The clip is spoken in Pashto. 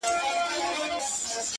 ژوند له امید نه ژوندی وي.